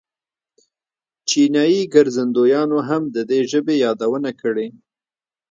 چینایي ګرځندویانو هم د دې ژبې یادونه کړې.